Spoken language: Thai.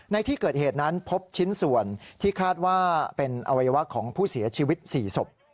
ในที่เกิดเหตุนั้นพบชิ้นส่วนที่คาดว่าเป็นอวัยวะของผู้เสียชีวิต๔ศพ